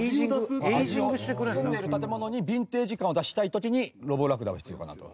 住んでる建物にヴィンテージ感を出したい時にロボラクダは必要かなと。